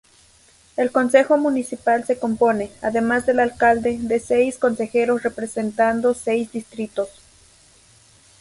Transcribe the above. El consejo municipal se compone, además del alcalde, de seis consejeros representando seis distritos.